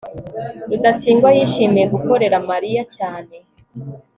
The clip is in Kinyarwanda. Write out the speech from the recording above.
rudasingwa yishimiye gukorera mariya cyane